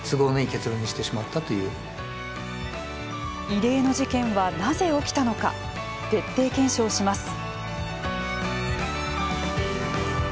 異例の事件はなぜ起きたのか徹底検証します。